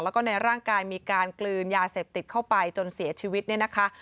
แล้วก็ในร่างกายมีการกลืนยาเสพติดเข้าไปจนเสียชีวิตเนี่ยนะคะ